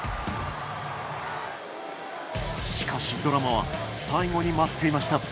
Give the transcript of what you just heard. しかし、ドラマは最後に待っていました。